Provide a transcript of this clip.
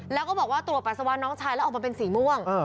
แล้วก็บอกว่าตรวจปัสสาวะน้องชายแล้วออกมาเป็นสีม่วง